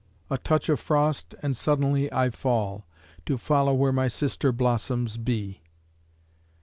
A touch of frost and suddenly I fall, To follow where my sister blossoms be.